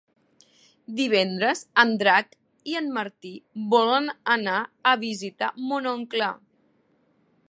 Divendres en Drac i en Martí volen anar a visitar mon oncle.